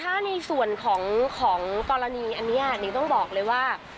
ถ้าในส่วนของกรณีอันนี้นิ่งต้องบอกเลยว่า